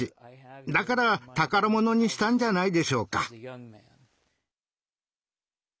だから宝物にしたんじゃないでしょうか。